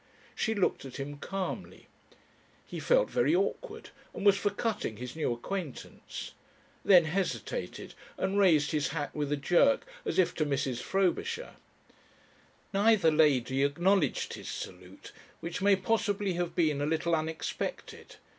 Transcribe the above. She looked at him calmly! He felt very awkward, and was for cutting his new acquaintance. Then hesitated, and raised his hat with a jerk as if to Mrs. Frobisher. Neither lady acknowledged his salute, which may possibly have been a little unexpected.